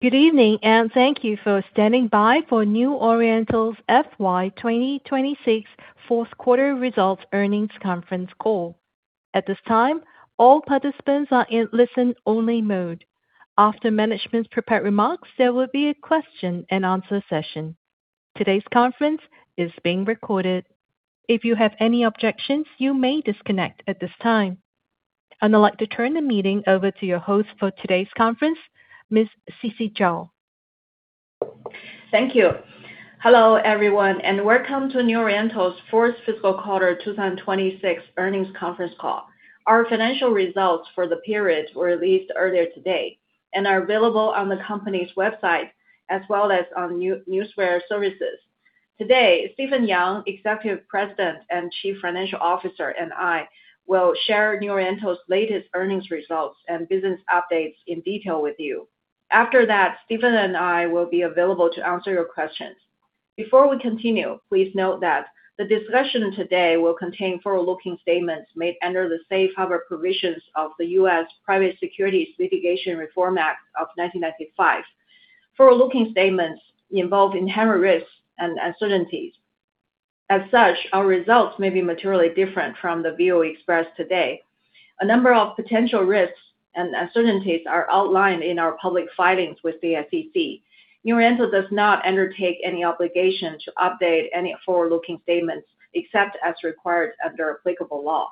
Good evening, and thank you for standing by for New Oriental's FY 2026 Fourth Quarter Results Earnings Conference Call. At this time, all participants are in listen-only mode. After management's prepared remarks, there will be a question and answer session. Today's conference is being recorded. If you have any objections, you may disconnect at this time. I'd like to turn the meeting over to your host for today's conference, Ms. Sisi Zhao. Thank you. Hello, everyone, and welcome to New Oriental's Fourth Fiscal Quarter 2026 Earnings Conference Call. Our financial results for the period were released earlier today and are available on the company's website as well as on newswire services. Today, Stephen Yang, Executive President and Chief Financial Officer, and I will share New Oriental's latest earnings results and business updates in detail with you. After that, Stephen and I will be available to answer your questions. Before we continue, please note that the discussion today will contain forward-looking statements made under the safe harbor provisions of the U.S. Private Securities Litigation Reform Act of 1995. Forward-looking statements involve inherent risks and uncertainties. As such, our results may be materially different from the view expressed today. A number of potential risks and uncertainties are outlined in our public filings with the SEC. New Oriental does not undertake any obligation to update any forward-looking statements, except as required under applicable law.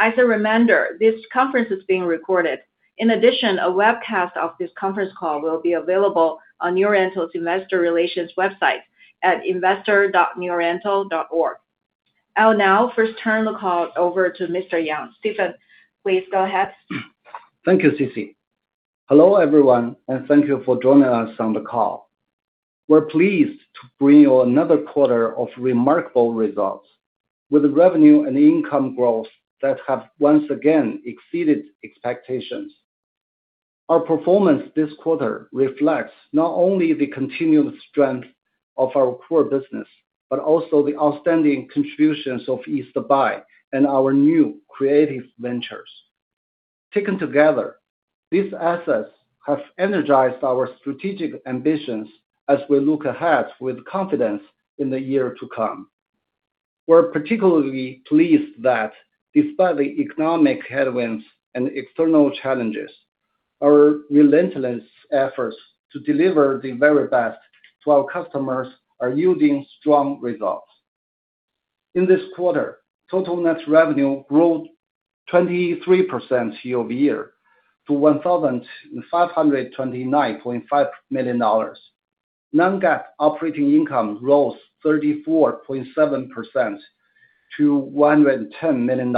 As a reminder, this conference is being recorded. In addition, a webcast of this conference call will be available on New Oriental's investor relations website at investor.neworiental.org. I'll now first turn the call over to Mr. Yang. Stephen, please go ahead. Thank you, Sisi. Hello, everyone, and thank you for joining us on the call. We're pleased to bring you another quarter of remarkable results. With revenue and income growth that have once again exceeded expectations. Our performance this quarter reflects not only the continued strength of our core business, but also the outstanding contributions of East Buy and our new creative ventures. Taken together, these assets have energized our strategic ambitions as we look ahead with confidence in the year to come. We are particularly pleased that despite the economic headwinds and external challenges, our relentless efforts to deliver the very best to our customers are yielding strong results. In this quarter, total net revenue grew 23% year-over-year to $1,529.5 million. Non-GAAP operating income rose 34.7% to $110 million,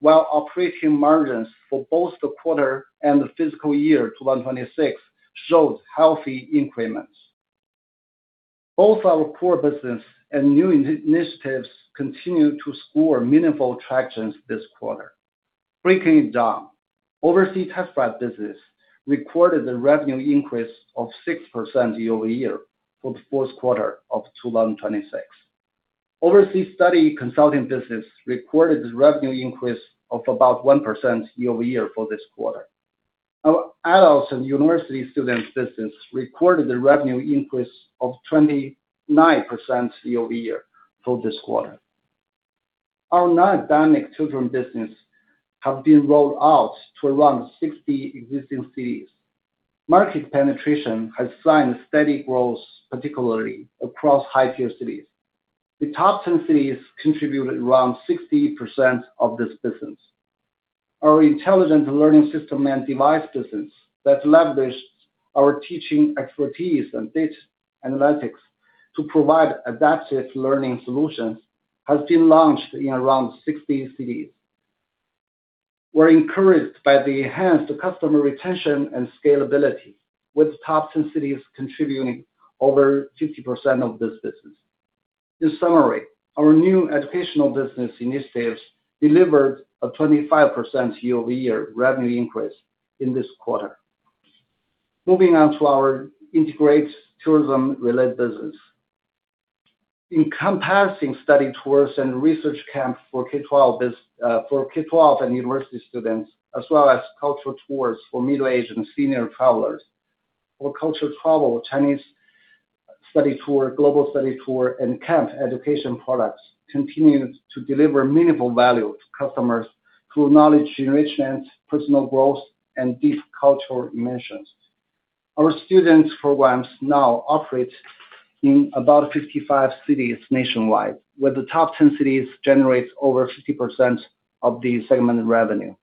while operating margins for both the quarter and the fiscal year 2026 showed healthy increments. Both our core business and new initiatives continued to score meaningful tractions this quarter. Breaking it down, overseas test-prep business recorded a revenue increase of 6% year-over-year for the fourth quarter of 2026. Overseas study consulting business recorded a revenue increase of about 1% year-over-year for this quarter. Our adults and university students business recorded a revenue increase of 29% year-over-year for this quarter. Our non-academic children business have been rolled out to around 60 existing cities. Market penetration has seen a steady growth, particularly across tier cities. The top 10 cities contributed around 60% of this business. Our intelligent learning system and device business that leveraged our teaching expertise and data analytics to provide adaptive learning solutions, has been launched in around 60 cities. We are encouraged by the enhanced customer retention and scalability, with the top 10 cities contributing over 50% of this business. In summary, our new educational business initiatives delivered a 25% year-over-year revenue increase in this quarter. Moving on to our integrated tourism-related business. Encompassing study tours and research camp for K-12 and university students, as well as cultural tours for middle-aged and senior travelers. Our cultural travel, Chinese study tour, global study tour, and camp education products continue to deliver meaningful value to customers through knowledge enrichment, personal growth, and deep cultural immersions. Our students programs now operate in about 55 cities nationwide, where the top 10 cities generate over 50% of the segmented revenue.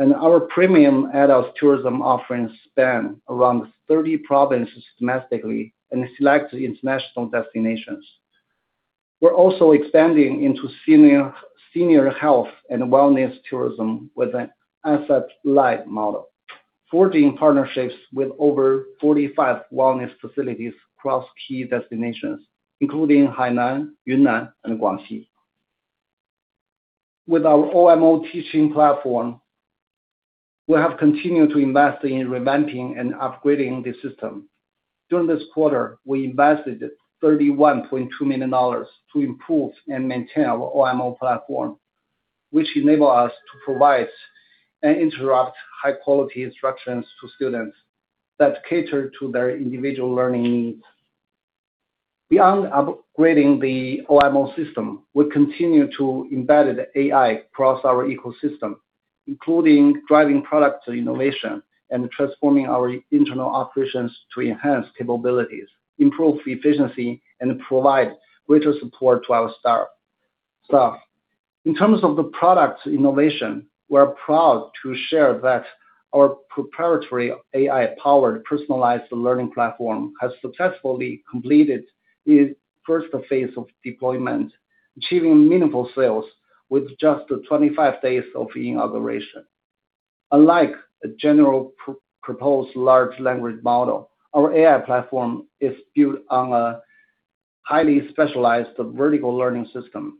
Our premium adult tourism offerings span around 30 provinces domestically and select international destinations. We are also expanding into senior health and wellness tourism with an asset-light model, forging partnerships with over 45 wellness facilities across key destinations, including Hainan, Yunnan, and Guangxi. With our OMO teaching platform, we have continued to invest in revamping and upgrading the system. During this quarter, we invested $31.2 million to improve and maintain our OMO platform which enable us to provide uninterrupted high-quality instructions to students that cater to their individual learning needs. Beyond upgrading the OMO system, we continue to embed AI across our ecosystem, including driving product innovation and transforming our internal operations to enhance capabilities, improve efficiency, and provide greater support to our staff. In terms of the product innovation, we are proud to share that our proprietary AI-powered personalized learning platform has successfully completed its first phase of deployment, achieving meaningful sales with just 25 days of inauguration. Unlike a general purpose large language model, our AI platform is built on a highly specialized vertical learning system,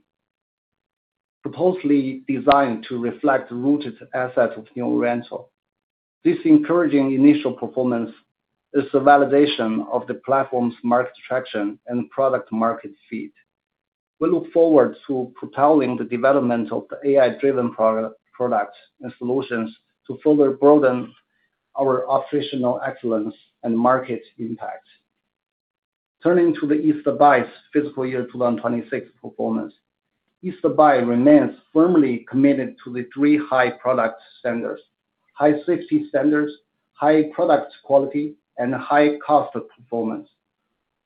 purposely designed to reflect the rooted assets of New Oriental. This encouraging initial performance is the validation of the platform's market traction and product-market-fit. We look forward to propelling the development of the AI-driven products and solutions to further broaden our operational excellence and market impact. Turning to the East Buy's fiscal year 2026 performance. East Buy remains firmly committed to the three high product standards, high safety standards, high product quality, and high cost performance,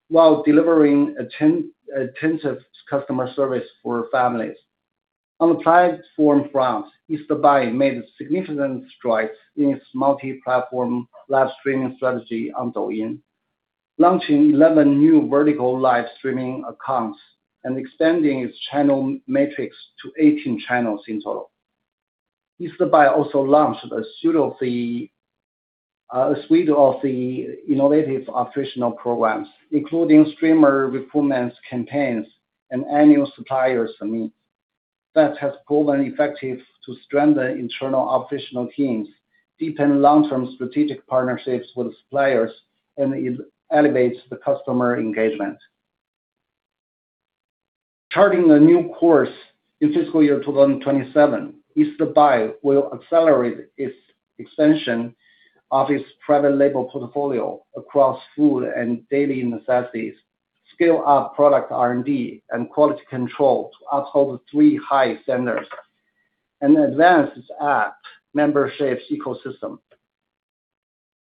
while delivering intensive customer service for families. On the platform front, East Buy made significant strides in its multi-platform live streaming strategy on Douyin, launching 11 new vertical live streaming accounts and extending its channel matrix to 18 channels in total. East Buy also launched a suite of the innovative operational programs, including streamer recruitment campaigns and annual suppliers summit that has proven effective to strengthen internal operational teams, deepen long-term strategic partnerships with suppliers, and it elevates the customer engagement. Charting a new course in fiscal year 2027, East Buy will accelerate its expansion of its private label portfolio across food and daily necessities, scale up product R&D and quality control to uphold the three high standards, and advance its app membership ecosystem.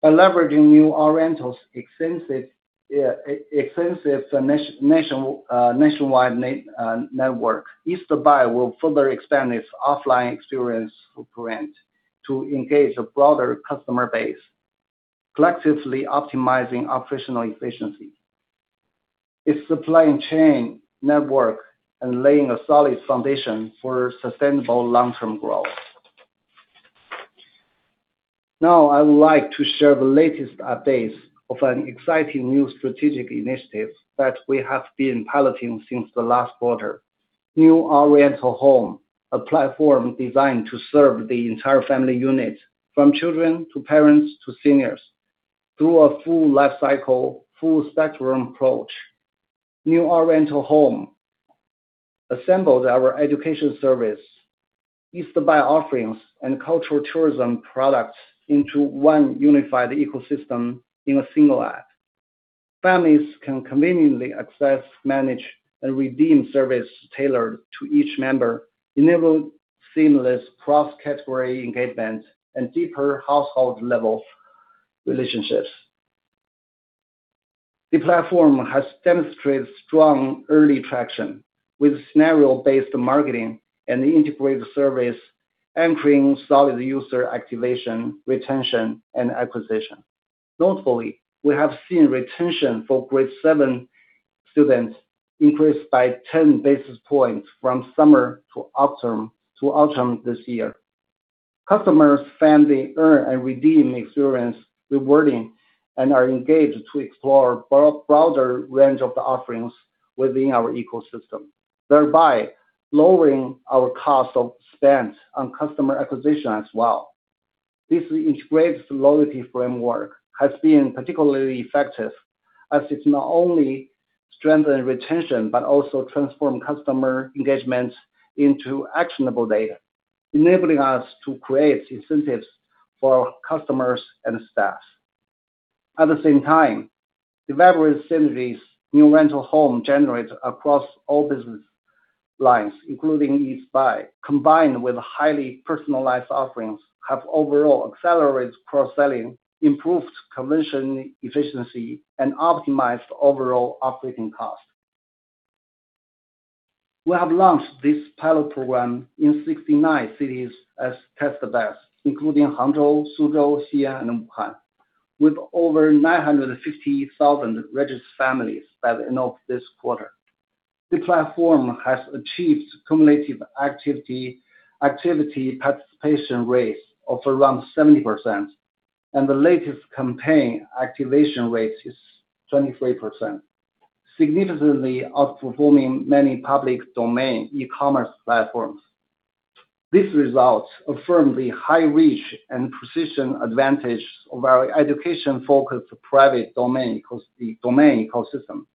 By leveraging New Oriental's extensive nationwide network, East Buy will further expand its offline experience footprint to engage a broader customer base, collectively optimizing operational efficiency, its supply chain network, and laying a solid foundation for sustainable long-term growth. Now, I would like to share the latest updates of an exciting new strategic initiative that we have been piloting since the last quarter. New Oriental Home, a platform designed to serve the entire family unit, from children to parents to seniors, through a full life cycle, full spectrum approach. New Oriental Home assembles our education service, East Buy offerings, and cultural tourism products into one unified ecosystem in a single app. Families can conveniently access, manage, and redeem services tailored to each member, enabling seamless cross-category engagement and deeper household-level relationships. The platform has demonstrated strong early traction with scenario-based marketing and integrated service, anchoring solid user activation, retention, and acquisition. Notably, we have seen retention for grade 7 students increase by 10 basis points from summer to autumn this year. Customers find the earn and redeem experience rewarding and are engaged to explore a broader range of offerings within our ecosystem, thereby lowering our cost of spend on customer acquisition as well. This integrated loyalty framework has been particularly effective as it's not only strengthened retention, but also transformed customer engagement into actionable data, enabling us to create incentives for customers and staff. At the same time, the valuable synergies New Oriental Home generates across all business lines, including East Buy, combined with highly personalized offerings, have overall accelerated cross-selling, improved conversion efficiency, and optimized overall operating costs. We have launched this pilot program in 69 cities as test beds, including Hangzhou, Suzhou, Xi'an and Wuhan, with over 950,000 registered families by the end of this quarter. The platform has achieved cumulative activity participation rates of around 70%, and the latest campaign activation rate is 23%, significantly outperforming many public domain e-commerce platforms. These results affirm the high reach and precision advantage of our education-focused private domain ecosystem.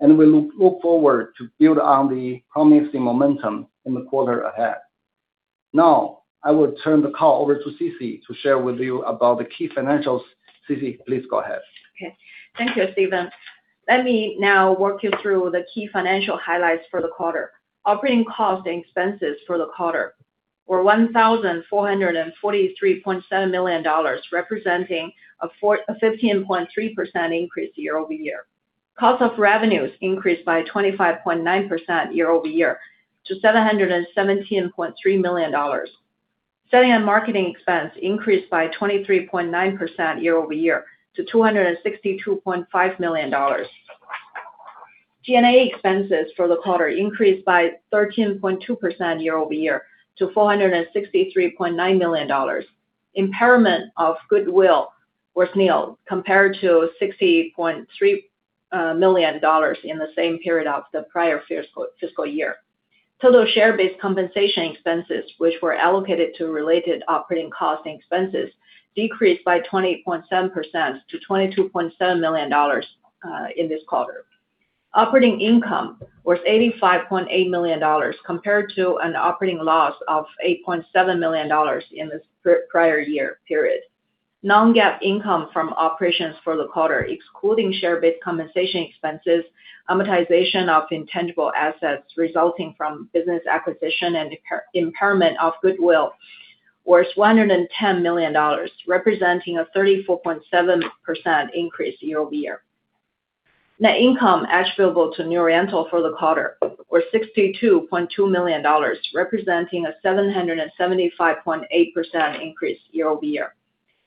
We look forward to build on the promising momentum in the quarter ahead. Now, I will turn the call over to Sisi to share with you about the key financials. Sisi, please go ahead. Okay. Thank you, Stephen. Let me now walk you through the key financial highlights for the quarter. Operating costs and expenses for the quarter were $1,443.7 million, representing a 15.3% increase year over year. Cost of revenues increased by 25.9% year over year to $717.3 million. Selling and marketing expense increased by 23.9% year over year to $262.5 million. G&A expenses for the quarter increased by 13.2% year over year to $463.9 million. Impairment of goodwill was nil, compared to $60.3 million in the same period of the prior fiscal year. Total share-based compensation expenses, which were allocated to related operating costs and expenses, decreased by 20.7% to $22.7 million in this quarter. Operating income was $85.8 million, compared to an operating loss of $8.7 million in this prior year period. Non-GAAP income from operations for the quarter, excluding share-based compensation expenses, amortization of intangible assets resulting from business acquisition and impairment of goodwill, was $110 million, representing a 34.7% increase year over year. Net income attributable to New Oriental for the quarter was $62.2 million, representing a 775.8% increase year over year.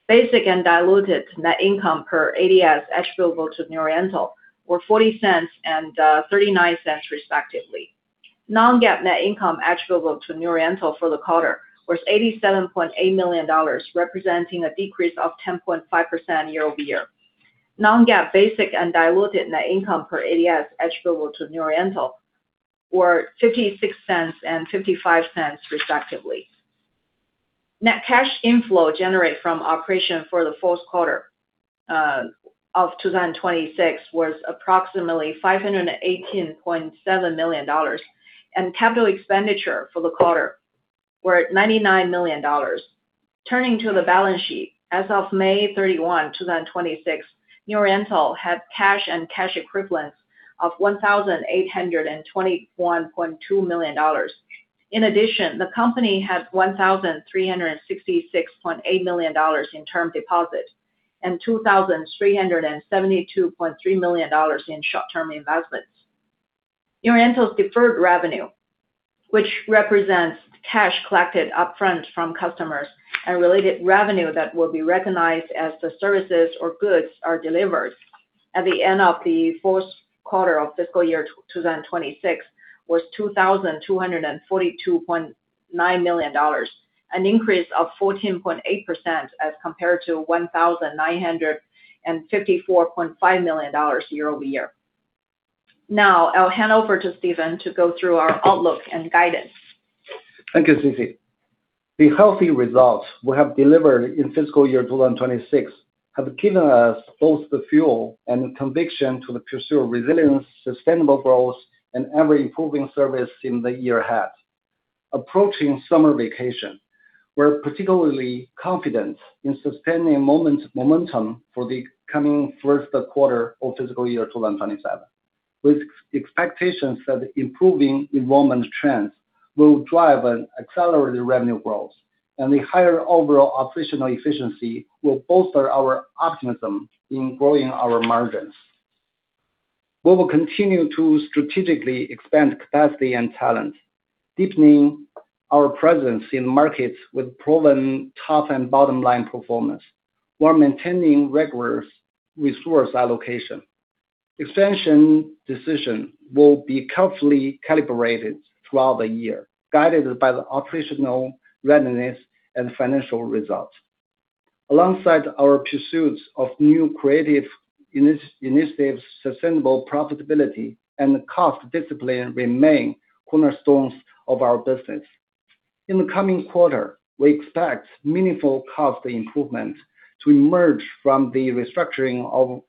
Basic and diluted net income per ADS attributable to New Oriental were $0.40 and $0.39 respectively. Non-GAAP net income attributable to New Oriental for the quarter was $87.8 million, representing a decrease of 10.5% year over year. Non-GAAP basic and diluted net income per ADS attributable to New Oriental were $0.56 and $0.55 respectively. Net cash inflow generated from operation for the fourth quarter of 2026 was approximately $518.7 million, and capital expenditure for the quarter were at $99 million. Turning to the balance sheet, as of May 31, 2026, New Oriental had cash and cash equivalents of $1,821.2 million. In addition, the company had $1,366.8 million in term deposits and $2,372.3 million in short-term investments. New Oriental's deferred revenue, which represents cash collected upfront from customers and related revenue that will be recognized as the services or goods are delivered at the end of the fourth quarter of FY 2026 was $2,242.9 million, an increase of 14.8% as compared to $1,954.5 million year over year. I'll hand over to Stephen to go through our outlook and guidance. Thank you, Sisi. The healthy results we have delivered in FY 2026 have given us both the fuel and the conviction to pursue resilient, sustainable growth and ever-improving service in the year ahead. Approaching summer vacation, we're particularly confident in sustaining momentum for the coming first quarter of FY 2027, with expectations that improving enrollment trends will drive an accelerated revenue growth, and the higher overall operational efficiency will bolster our optimism in growing our margins. We will continue to strategically expand capacity and talent, deepening our presence in markets with proven top and bottom line performance while maintaining rigorous resource allocation. Expansion decision will be carefully calibrated throughout the year, guided by the operational readiness and financial results. Alongside our pursuits of new creative initiatives, sustainable profitability, and cost discipline remain cornerstones of our business. In the coming quarter, we expect meaningful cost improvements to emerge from the restructuring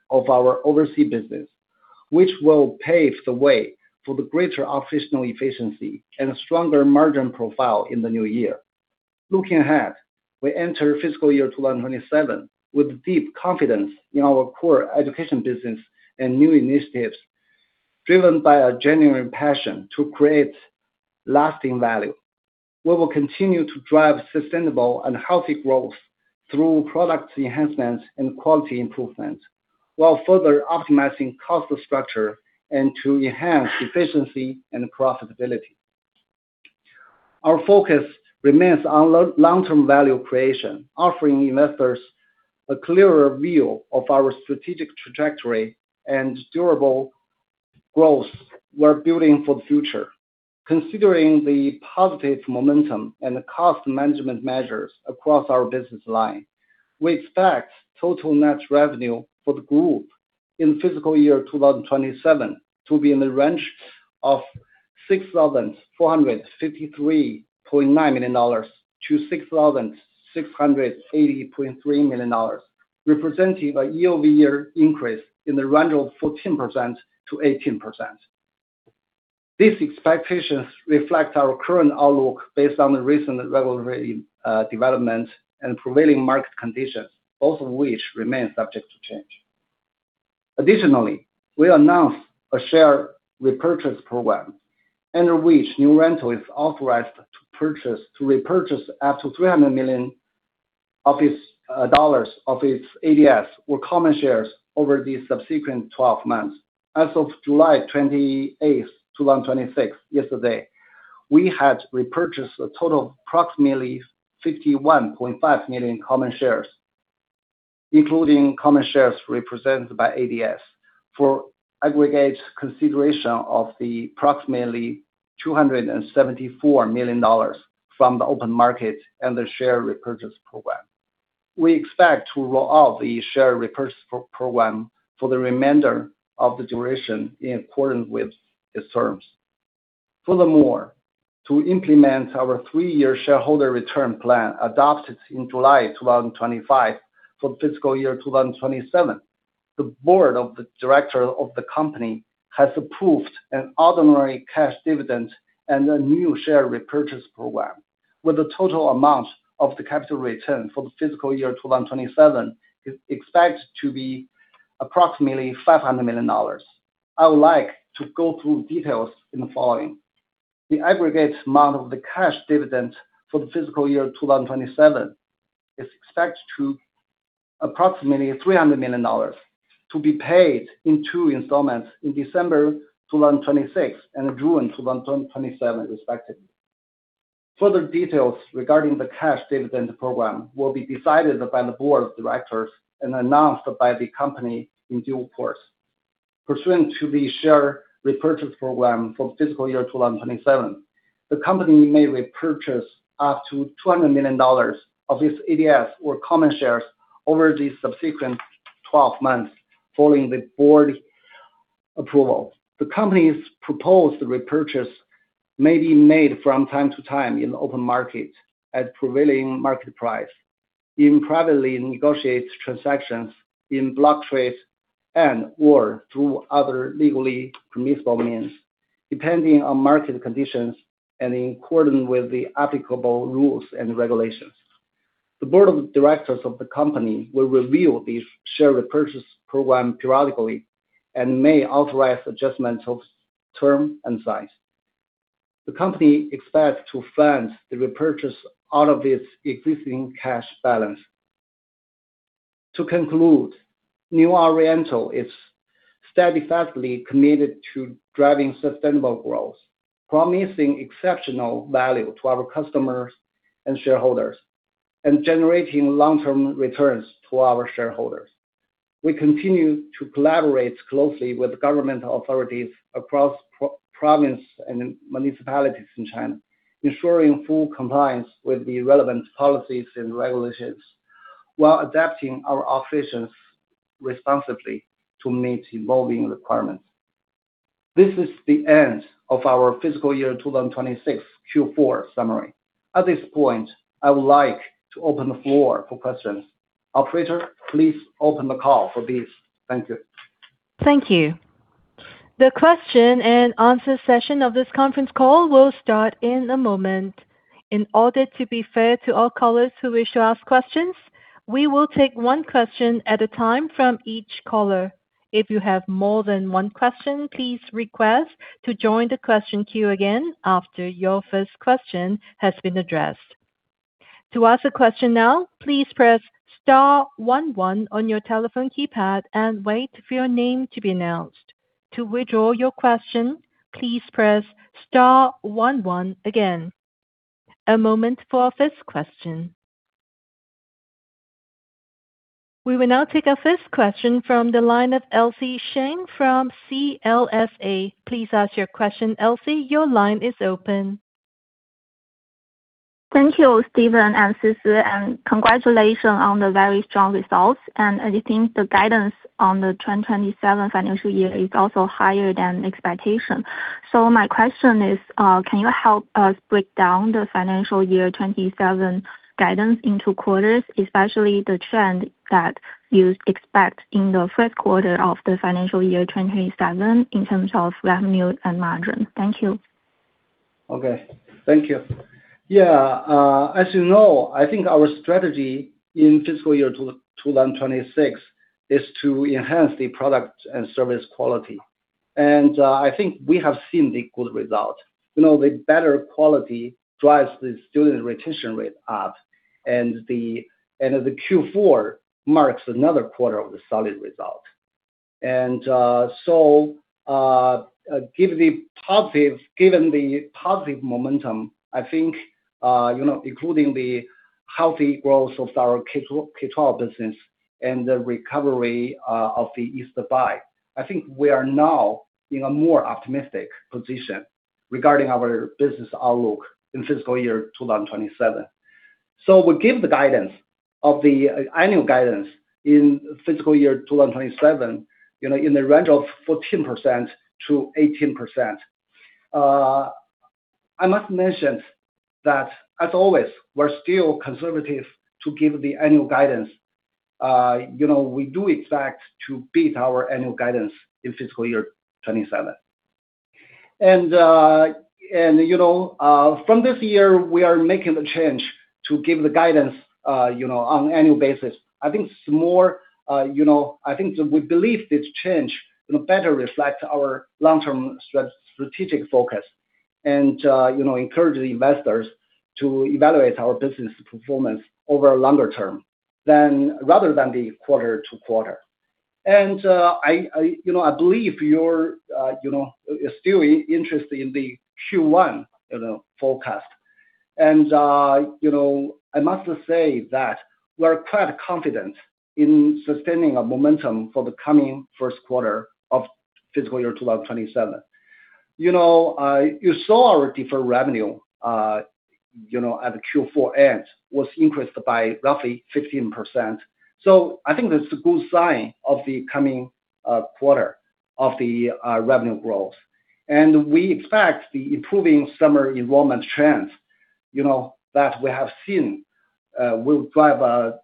of our overseas business, which will pave the way for the greater operational efficiency and stronger margin profile in the new year. Looking ahead, we enter fiscal year 2027 with deep confidence in our core education business and new initiatives driven by a genuine passion to create lasting value. We will continue to drive sustainable and healthy growth through product enhancements and quality improvements, while further optimizing cost structure and to enhance efficiency and profitability. Our focus remains on long-term value creation, offering investors a clearer view of our strategic trajectory and durable growth we're building for the future. Considering the positive momentum and the cost management measures across our business line, we expect total net revenue for the group in fiscal year 2027 to be in the range of $6,453.9 million-$6,680.3 million, representing a year-over-year increase in the range of 14%-18%. These expectations reflect our current outlook based on the recent regulatory development and prevailing market conditions, both of which remain subject to change. Additionally, we announced a share repurchase program, under which New Oriental is authorized to repurchase up to $300 million of its ADS or common shares over the subsequent 12 months. As of July 28th, 2026, yesterday, we had repurchased a total of approximately 51.5 million common shares, including common shares represented by ADS, for aggregate consideration of approximately $274 million from the open market and the share repurchase program. We expect to roll out the share repurchase program for the remainder of the duration in accordance with its terms. Furthermore, to implement our three-year shareholder return plan adopted in July 2025 for fiscal year 2027, the board of directors of the company has approved an ordinary cash dividend and a new share repurchase program with a total amount of the capital return for the fiscal year 2027 is expected to be approximately $500 million. I would like to go through details in the following. The aggregate amount of the cash dividend for the fiscal year 2027 is expected to approximately $300 million, to be paid in two installments in December 2026 and June 2027, respectively. Further details regarding the cash dividend program will be decided by the board of directors and announced by the company in due course. Pursuant to the share repurchase program for fiscal year 2027, the company may repurchase up to $200 million of its ADS or common shares over the subsequent 12 months following the board approval. The company's proposed repurchase may be made from time to time in the open market at prevailing market price, in privately negotiated transactions, in block trades, and/or through other legally permissible means, depending on market conditions and in accordance with the applicable rules and regulations. The board of directors of the company will review the share repurchase program periodically and may authorize adjustments of term and size. The company expects to fund the repurchase out of its existing cash balance. To conclude, New Oriental is steadfastly committed to driving sustainable growth, promising exceptional value to our customers and shareholders, and generating long-term returns to our shareholders. We continue to collaborate closely with government authorities across province and municipalities in China, ensuring full compliance with the relevant policies and regulations while adapting our operations responsibly to meet evolving requirements. This is the end of our fiscal year 2026 Q4 summary. At this point, I would like to open the floor for questions. Operator, please open the call for this. Thank you. Thank you. The question-and-answer session of this conference call will start in a moment. In order to be fair to all callers who wish to ask questions, we will take one question at a time from each caller. If you have more than one question, please request to join the question queue again after your first question has been addressed. To ask a question now, please press star one one on your telephone keypad and wait for your name to be announced. To withdraw your question, please press star one one again. A moment for our first question. We will now take our first question from the line of Elsie Sheng from CLSA. Please ask your question. Elsie, your line is open. Thank you, Stephen and Sisi, congratulations on the very strong results. I think the guidance on the 2027 financial year is also higher than expectation. My question is, can you help us break down the financial year 2027 guidance into quarters, especially the trend that you expect in the first quarter of the financial year 2027 in terms of revenue and margin? Thank you. Okay. Thank you. As you know, I think our strategy in fiscal year 2026 is to enhance the product and service quality. I think we have seen the good result. The better quality drives the student retention rate up, the Q4 marks another quarter of the solid result. Given the positive momentum, I think including the healthy growth of our K-12 business and the recovery of the East Buy, I think we are now in a more optimistic position regarding our business outlook in fiscal year 2027. We give the guidance of the annual guidance in fiscal year 2027, in the range of 14%-18%. I must mention that as always, we're still conservative to give the annual guidance. We do expect to beat our annual guidance in fiscal year 2027. From this year, we are making the change to give the guidance on annual basis. We believe this change better reflects our long-term strategic focus and encourages investors to evaluate our business performance over a longer term, rather than the quarter-to-quarter. I believe you're still interested in the Q1 forecast. I must say that we're quite confident in sustaining a momentum for the coming first quarter of fiscal year 2027. You saw our deferred revenue at the Q4 end was increased by roughly 15%. I think that's a good sign of the coming quarter of the revenue growth. We expect the improving summer enrollment trends that we have seen will drive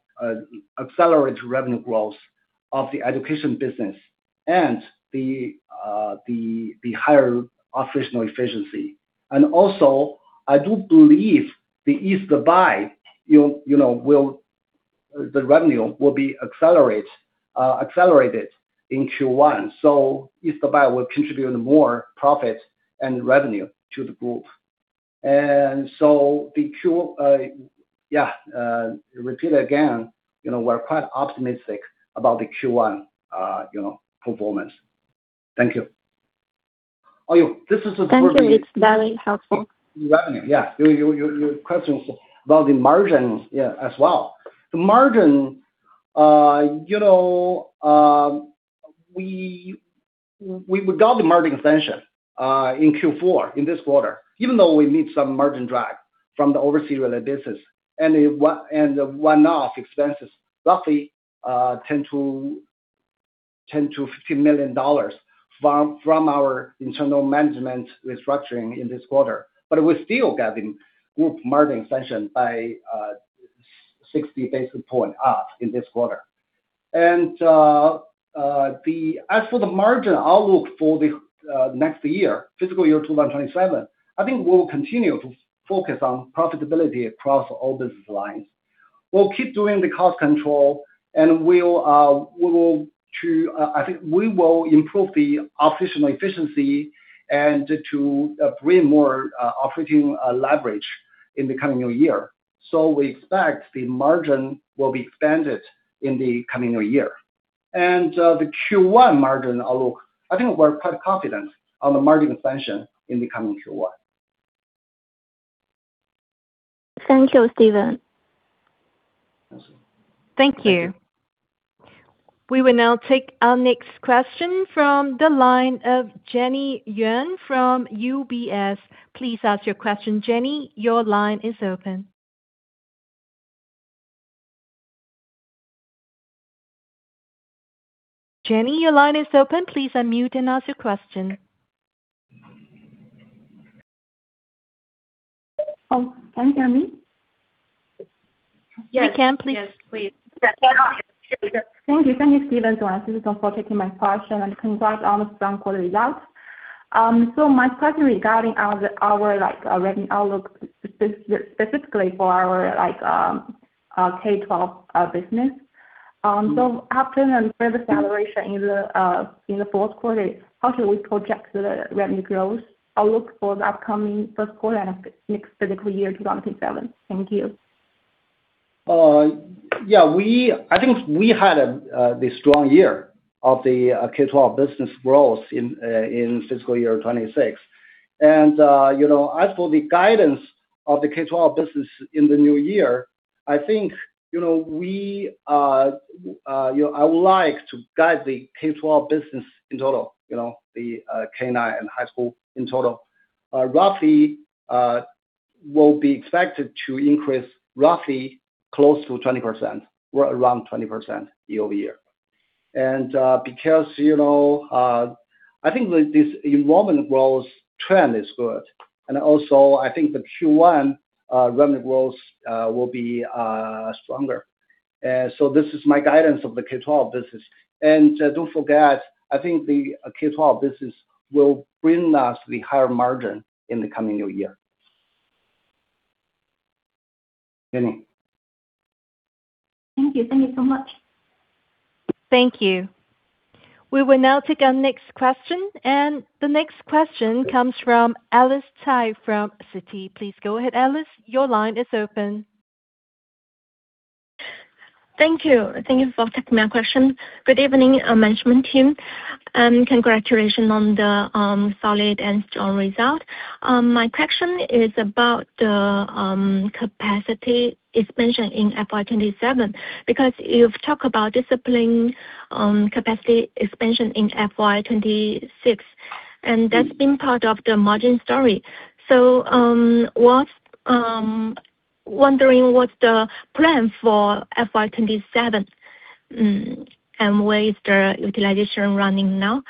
accelerated revenue growth of the education business and the higher operational efficiency. Also, I do believe the East Buy, the revenue will be accelerated in Q1. East Buy will contribute more profit and revenue to the group. To repeat again, we're quite optimistic about the Q1 performance. Thank you. Thank you. It's very helpful. Revenue. Your question was about the margins as well. The margin. We got the margin expansion in Q4, in this quarter, even though we need some margin drag from the overseas-related business and the one-off expenses, roughly $10 million-$15 million from our internal management restructuring in this quarter. We're still getting group margin expansion by 60 basis point up in this quarter. As for the margin outlook for the next year, fiscal year 2027, we'll continue to focus on profitability across all business lines. We'll keep doing the cost control and we will improve the operational efficiency and to bring more operating leverage in the coming new year. We expect the margin will be expanded in the coming new year. The Q1 margin outlook, we're quite confident on the margin expansion in the coming Q1. Thank you, Stephen. That's it. Thank you. We will now take our next question from the line of Jenny Yuan from UBS. Please ask your question. Jenny, your line is open. Thank you, Stephen and Sisi for taking my question, and congrats on the strong quarter results. My question regarding our revenue outlook specifically for our K-12 business. After the further acceleration in the fourth quarter, how should we project the revenue growth outlook for the upcoming first quarter and next fiscal year 2027? Thank you. I think we had a strong year of the K-12 business growth in fiscal year 2026. As for the guidance of the K-12 business in the new year, I would like to guide the K-12 business in total, the K-9 and high school in total, roughly will be expected to increase roughly close to 20%, or around 20% year-over-year. Because I think this enrollment growth trend is good, I think the Q1 revenue growth will be stronger. This is my guidance of the K-12 business. Don't forget, I think the K-12 business will bring us the higher margin in the coming new year, Jenny. Thank you. Thank you so much. Thank you. We will now take our next question, the next question comes from Alice Cai from Citi. Please go ahead, Alice, your line is open. Thank you. Thank you for taking my question. Good evening, management team. Congratulations on the solid and strong result. My question is about the capacity expansion in FY 2027, because you've talked about disciplining capacity expansion in FY 2026. That's been part of the margin story. Wondering what's the plan for FY 2027, where is the utilization running now?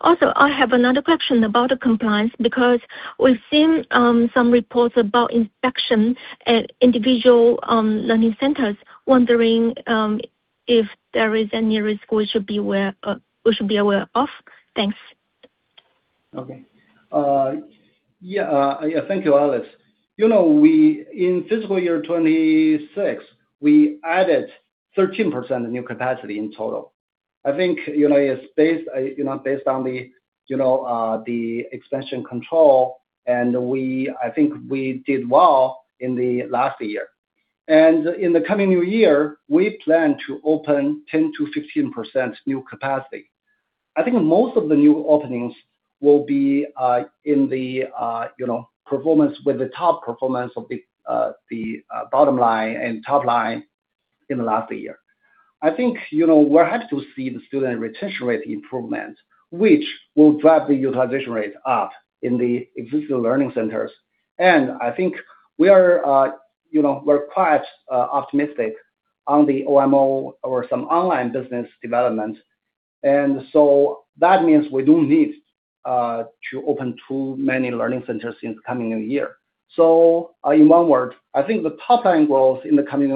Also, I have another question about the compliance, because we've seen some reports about inspection at individual learning centers. Wondering if there is any risk we should be aware of. Thanks. Thank you, Alice. In fiscal year 2026, we added 13% new capacity in total. I think based on the extension control, I think we did well in the last year. In the coming new year, we plan to open 10%-15% new capacity. I think most of the new openings will be in the top performance of the bottom line and top line in the last year. I think we're happy to see the student retention rate improvement, which will drive the utilization rate up in the existing learning centers. I think we're quite optimistic on the OMO or some online business development. That means we don't need to open too many learning centers in the coming new year. In one word, I think the top line growth in the coming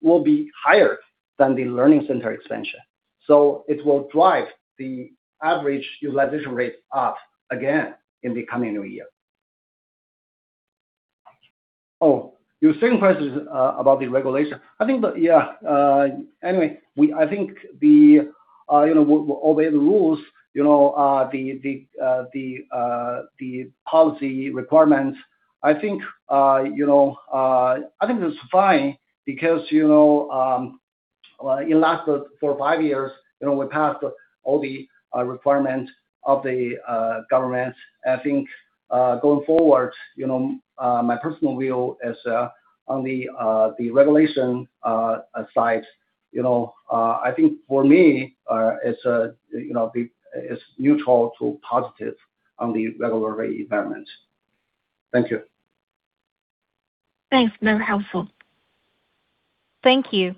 new year will be higher than the learning center expansion. It will drive the average utilization rate up again in the coming new year. Oh, your second question is about the regulation. Anyway, I think we'll obey the rules, the policy requirements. I think it's fine because in the last four or five years, we passed all the requirements of the government. I think going forward, my personal view is, on the regulation side, I think for me it's neutral to positive on the regulatory environment. Thank you. Thanks. Very helpful. Thank you.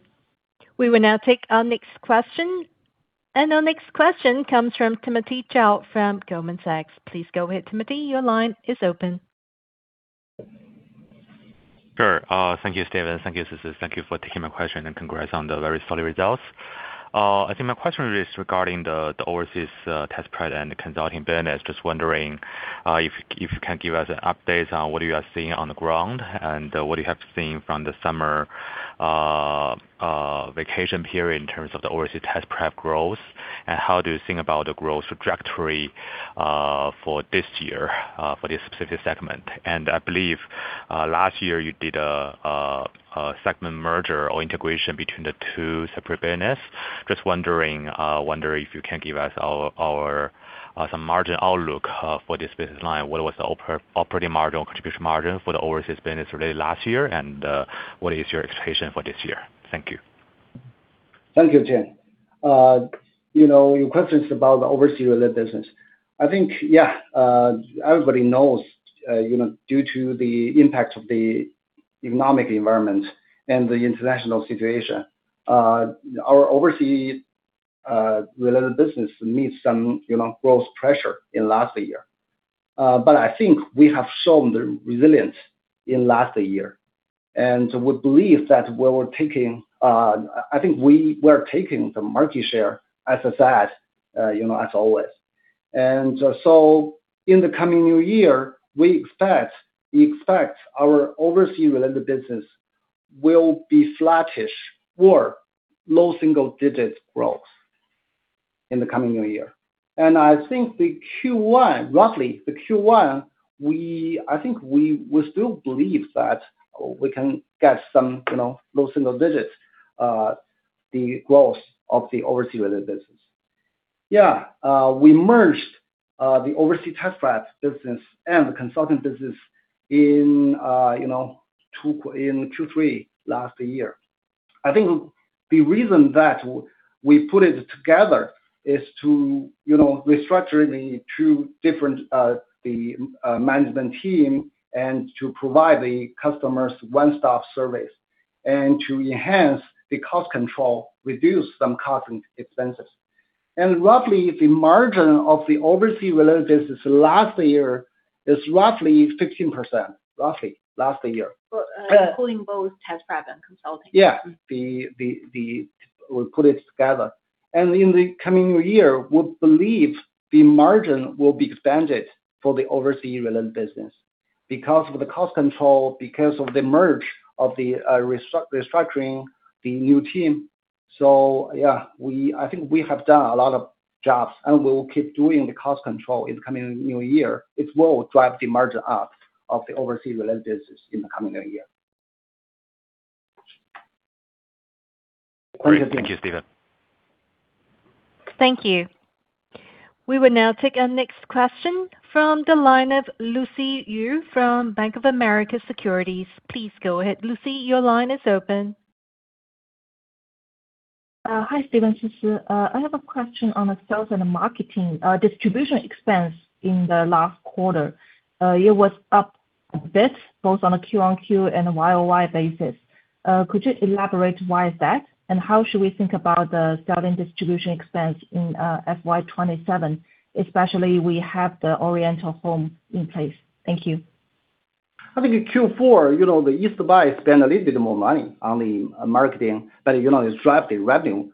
We will now take our next question, and our next question comes from Timothy Chao from Goldman Sachs. Please go ahead, Timothy, your line is open. Sure. Thank you, Stephen. Thank you, Sisi. Thank you for taking my question. Congrats on the very solid results. I think my question is regarding the overseas test prep and the consulting business. Just wondering if you can give us an update on what you are seeing on the ground, and what you have seen from the summer vacation period in terms of the overseas test prep growth. How do you think about the growth trajectory for this year for this specific segment? I believe last year you did a segment merger or integration between the two separate business. Just wondering if you can give us some margin outlook for this business line. What was the operating margin or contribution margin for the overseas business related last year, and what is your expectation for this year? Thank you. Thank you, Tim. Your question is about the overseas-related business. I think everybody knows, due to the impact of the economic environment and the international situation, our overseas-related business meet some gross pressure in last year. I think we have shown the resilience in last year, and we believe that we're taking the market share as always. In the coming new year, we expect our overseas-related business will be flattish or low single-digit growth in the coming new year. I think roughly the Q1, we still believe that we can get some low single digits, the growth of the overseas-related business. Yeah. We merged the overseas test prep business and the consulting business in Q3 last year. I think the reason that we put it together is to restructure the two different management team and to provide the customers one-stop service, and to enhance the cost control, reduce some cost and expenses. Roughly, the margin of the overseas-related business last year is roughly 15%, roughly, last year. Including both test prep and consulting. We put it together. In the coming year, we believe the margin will be expanded for the overseas-related business because of the cost control, because of the merge of the restructuring the new team. I think we have done a lot of jobs, and we will keep doing the cost control in the coming new year. It will drive the margin up of the overseas-related business in the coming new year. Great. Thank you, Stephen. Thank you. We will now take our next question from the line of Lucy Yu from Bank of America Securities. Please go ahead, Lucy, your line is open. Hi, Stephen, Sisi. I have a question on the sales and the marketing distribution expense in the last quarter. It was up a bit, both on a QoQ and a YoY basis. Could you elaborate why is that, and how should we think about the selling distribution expense in FY 2027, especially we have the New Oriental Home in place? Thank you. I think in Q4, the East Buy spent a little bit more money on the marketing, but it drive the revenue,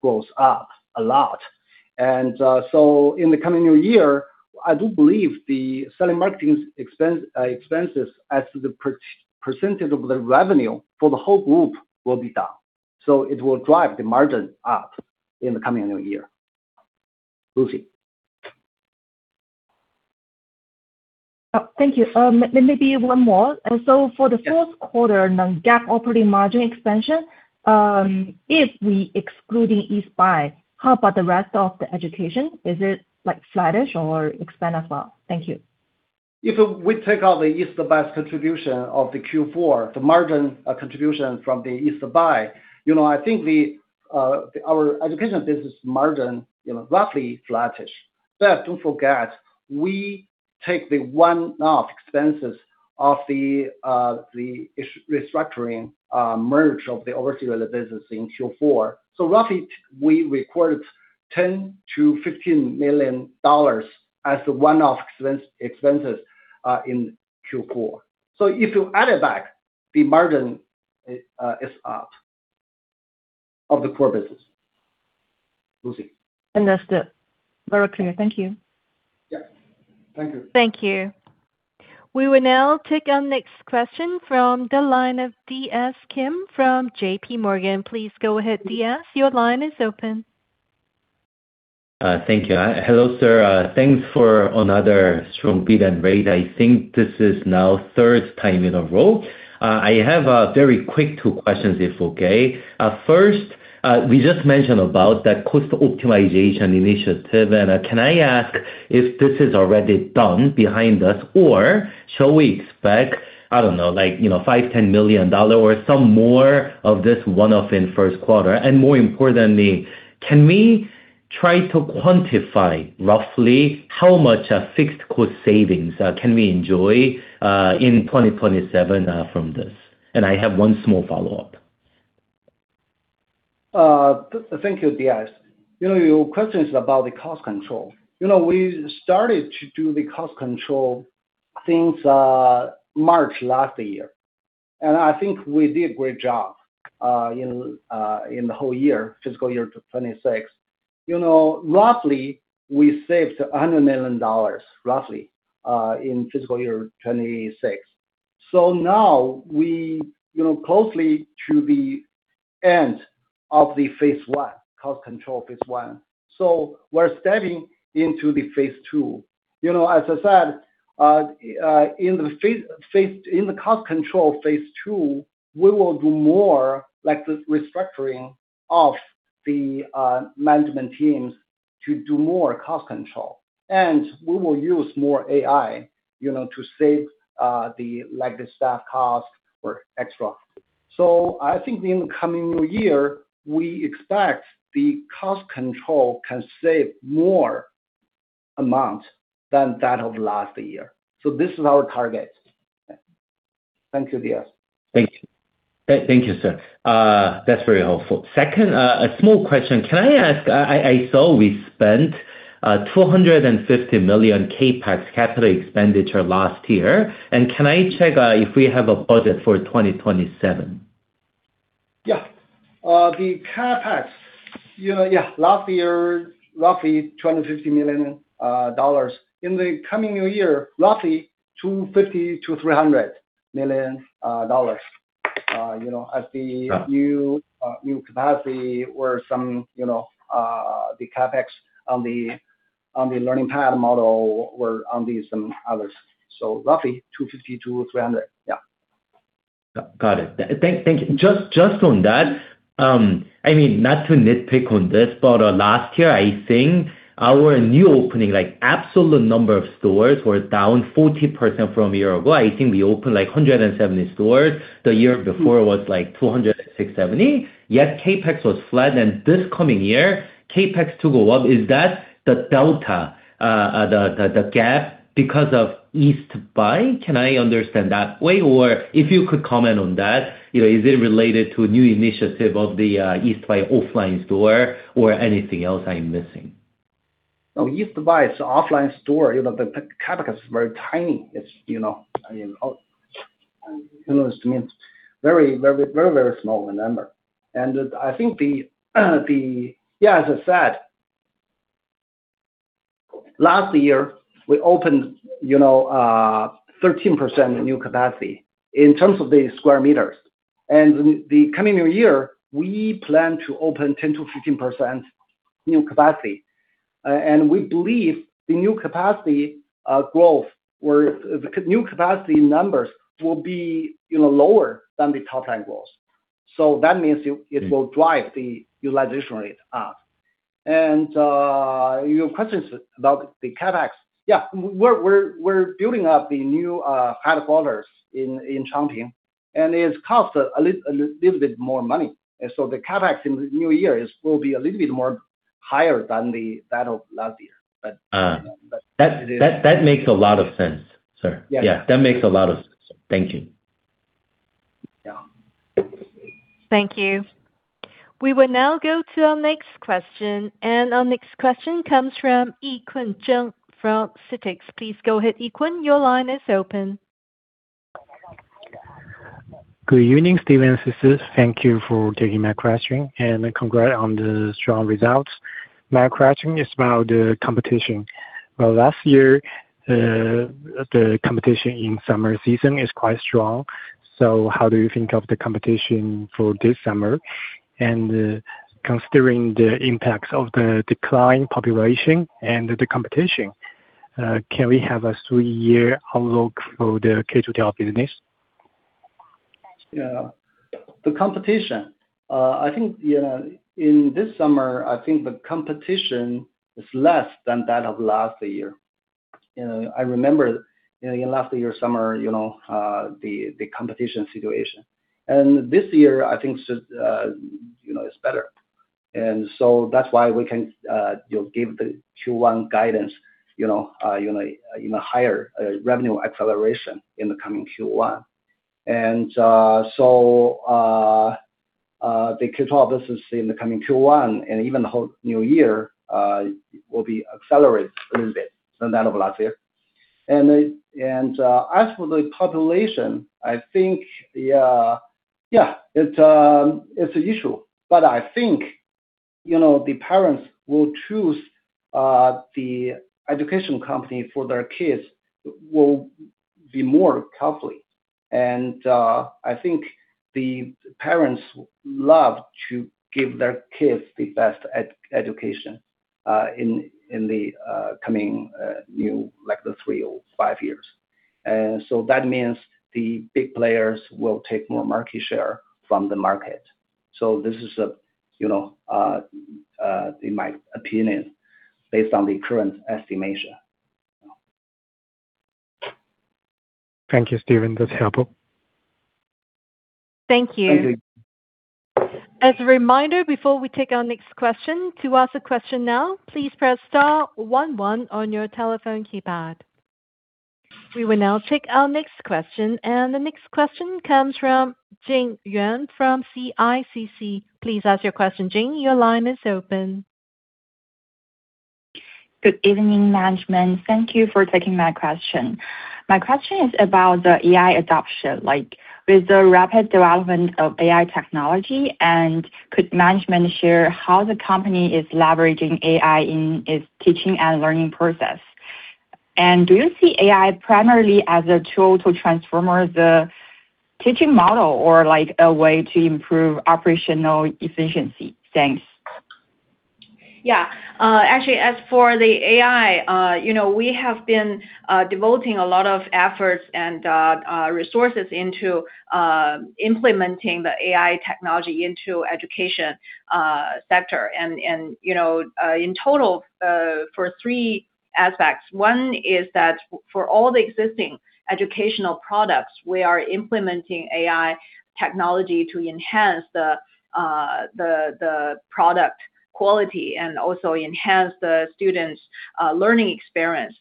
goes up a lot. In the coming new year, I do believe the selling marketing expenses as to the percentage of the revenue for the whole group will be down. It will drive the margin up in the coming new year, Lucy. Oh, thank you. Maybe one more. For the fourth quarter non-GAAP operating margin expansion, if we excluding East Buy, how about the rest of the education? Is it flattish or expand as well? Thank you. If we take out the East Buy's contribution of the Q4, the margin contribution from the East Buy, I think our education business margin roughly flattish. Don't forget, we take the one-off expenses of the restructuring merge of the overseas business in Q4. Roughly we incurred $10 million-$15 million as the one-off expenses in Q4. If you add it back, the margin is up of the core business, Lucy. Understood. Very clear. Thank you. Yeah. Thank you. Thank you. We will now take our next question from the line of D.S. Kim from JPMorgan. Please go ahead, D.S., your line is open. Thank you. Hello, sir. Thanks for another strong beat and rate. I think this is now third time in a row. I have a very quick two questions, if okay. First, we just mentioned about that cost optimization initiative, can I ask if this is already done behind us or shall we expect, I don't know, like $5 million, $10 million or some more of this one-off in first quarter? More importantly, can we try to quantify roughly how much fixed cost savings can we enjoy in FY 2027 from this? I have one small follow-up. Thank you, D.S. Your questions about the cost control. We started to do the cost control since March last year, and I think we did a great job in the whole year, FY 2026. Roughly, we saved $100 million, roughly, in FY 2026. Now we closely to the end of the phase 1, cost control phase 1. We're stepping into the phase 2. As I said, in the cost control phase 2, we will do more like the restructuring of the management teams to do more cost control. We will use more AI to save the staff cost or extra. I think in the coming new year, we expect the cost control can save more amount than that of last year. This is our target. Thank you, D.S. Thank you, sir. That's very helpful. Second, a small question. Can I ask, I saw we spent $250 million CapEx, capital expenditure last year. Can I check if we have a budget for 2027? Yeah. The CapEx. Yeah. Last year, roughly $250 million. In the coming new year, roughly $250 million-$300 million as the new capacity or the CapEx on the learning path model or on others. Roughly $250 million-$300 million. Got it. Thank you. Just on that, I mean, not to nitpick on this, but last year, I think our new opening, like absolute number of stores were down 40% from a year ago. I think we opened like 170 stores. The year before was like 260-270 stores, yet CapEx was flat and this coming year, CapEx to go up. Is that the delta, the gap because of East Buy? Can I understand that way? Or if you could comment on that, is it related to a new initiative of the East Buy offline store or anything else I'm missing? No, East Buy's offline store, the CapEx is very tiny. It's to me, very, very small in number. Yeah, as I said, last year we opened 13% new capacity in terms of the square meters. The coming new year, we plan to open 10%-15% new capacity. We believe the new capacity growth or the new capacity numbers will be lower than the top line growth. That means it will drive the utilization rate up. You have questions about the CapEx. Yeah, we're building up the new headquarters in Changchun, and it costs a little bit more money. The CapEx in the new year will be a little bit more higher than that of last year. That makes a lot of sense. Thank you. Thank you. We will now go to our next question. Our next question comes from Yikun Zheng from CITICS. Please go ahead, Yikun, your line is open. Good evening, Stephen, this is. Thank you for taking my question. Congrat on the strong results. My question is about the competition. Well, last year, the competition in summer season is quite strong. How do you think of the competition for this summer? Considering the impacts of the decline population and the competition, can we have a three-year outlook for the K-12 business? Yeah. The competition. I think in this summer, the competition is less than that of last year. I remember in last year summer the competition situation. This year, I think it's better. That's why we can give the Q1 guidance in a higher revenue acceleration in the coming Q1. The K-12 business in the coming Q1 and even the whole new year will be accelerated a little bit than that of last year. As for the population, I think, it's an issue. I think the parents will choose the education company for their kids will be more carefully. I think the parents love to give their kids the best education in the coming new three or five years. That means the big players will take more market share from the market. This is in my opinion, based on the current estimation. Thank you, Stephen. That's helpful. Thank you. We will now take our next question, the next question comes from Jing Yuan from CICC. Please ask your question, Jing, your line is open. Good evening, management. Thank you for taking my question. My question is about the AI adoption. With the rapid development of AI technology, could management share how the company is leveraging AI in its teaching and learning process? Do you see AI primarily as a tool to transform the teaching model or a way to improve operational efficiency? Thanks. Actually, as for the AI, we have been devoting a lot of efforts and resources into implementing the AI technology into education sector. In total, for three aspects. One is that for all the existing educational products, we are implementing AI technology to enhance the product quality and also enhance the students' learning experience.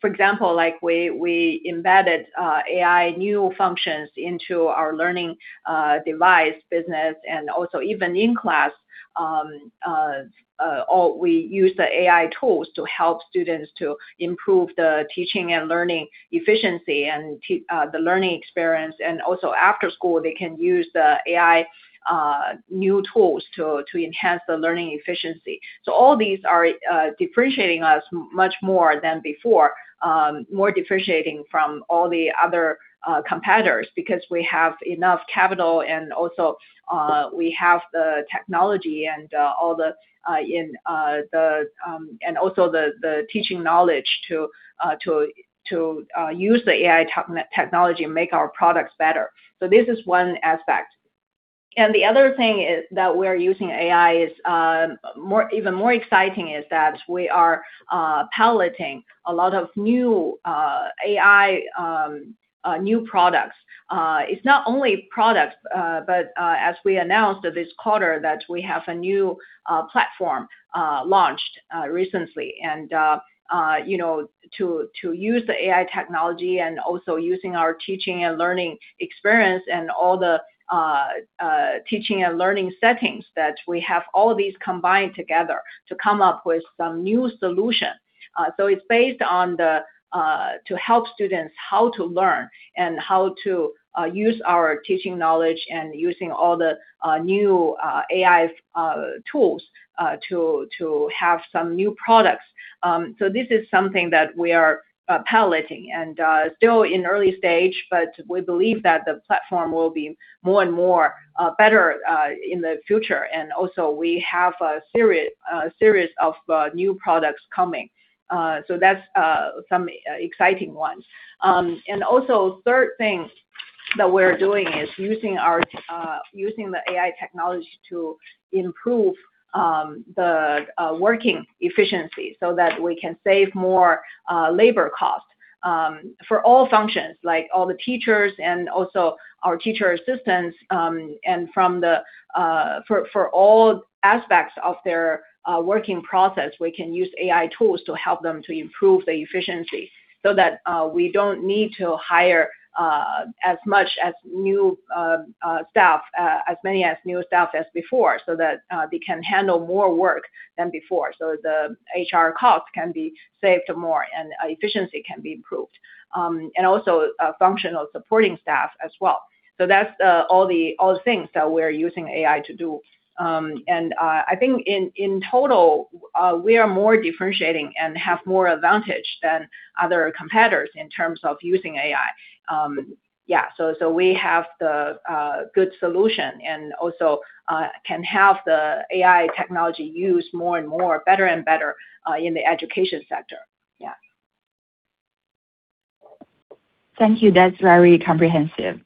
For example, we embedded AI new functions into our learning device business and also even in class, we use the AI tools to help students to improve the teaching and learning efficiency and the learning experience. After school, they can use the AI new tools to enhance the learning efficiency. All these are differentiating us much more than before. More differentiating from all the other competitors because we have enough capital and also we have the technology and also the teaching knowledge to use the AI technology and make our products better. This is one aspect. The other thing is that we're using AI is even more exciting is that we are piloting a lot of new AI new products. It's not only products, but as we announced this quarter that we have a new platform launched recently to use the AI technology and also using our teaching and learning experience and all the teaching and learning settings that we have all of these combined together to come up with some new solution. It's based on to help students how to learn and how to use our teaching knowledge and using all the new AI tools to have some new products. This is something that we are piloting and still in early stage, but we believe that the platform will be more and more better in the future. We have a series of new products coming. That's some exciting ones. Third thing that we're doing is using the AI technology to improve the working efficiency so that we can save more labor costs for all functions, like all the teachers and also our teacher assistants. For all aspects of their working process, we can use AI tools to help them to improve the efficiency so that we don't need to hire as many new staff as before, so that they can handle more work than before. The HR cost can be saved more and efficiency can be improved. Functional supporting staff as well. That's all the things that we're using AI to do. I think in total, we are more differentiating and have more advantage than other competitors in terms of using AI. We have the good solution and also can have the AI technology used more and more, better and better in the education sector. Thank you. That's very comprehensive.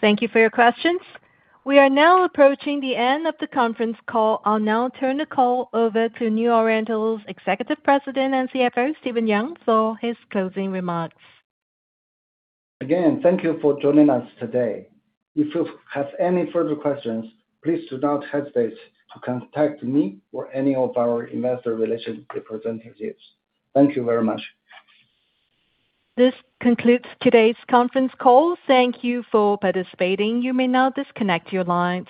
Thank you for your questions. We are now approaching the end of the conference call. I'll now turn the call over to New Oriental's Executive President and CFO, Stephen Yang, for his closing remarks. Again, thank you for joining us today. If you have any further questions, please do not hesitate to contact me or any of our investor relation representatives. Thank you very much. This concludes today's conference call. Thank you for participating. You may now disconnect your line.